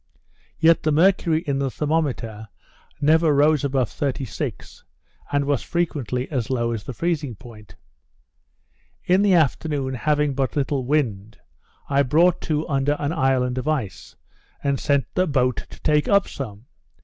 Yet the mercury in the thermometer never rose above 36; and was frequently as low as the freezing point. In the afternoon having but little wind, I brought to under an island of ice, and sent a boat to take up some.